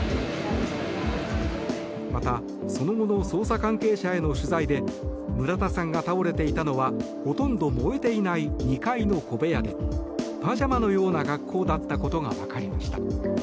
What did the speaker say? また、その後の捜査関係者への取材で村田さんが倒れていたのはほとんど燃えていない２階の小部屋でパジャマのような格好だったことがわかりました。